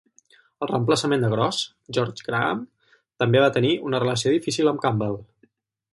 El reemplaçament de Gross, George Graham, també va tenir una relació difícil amb Campbell.